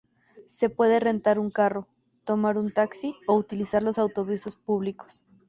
Se puede rentar un carro, tomar un taxi o utilizar los autobuses públicos.